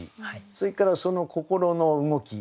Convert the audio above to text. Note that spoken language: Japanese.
それからその心の動き。